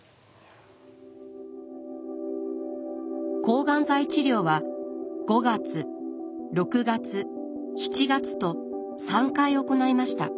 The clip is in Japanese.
抗がん剤治療は５月６月７月と３回行いました。